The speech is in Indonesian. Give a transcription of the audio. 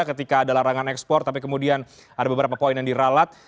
ketika ada larangan ekspor tapi kemudian ada beberapa poin yang diralat